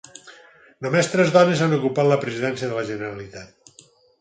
Només tres dones han ocupat la presidència de la Generalitat